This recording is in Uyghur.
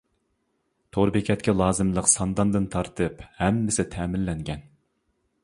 تور بېكەتكە لازىملىق سانداندىن تارتىپ ھەممىسى تەمىنلەنگەن.